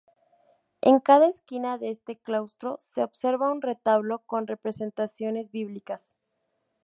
En cada esquina de este claustro se observa un retablo con representaciones bíblicas.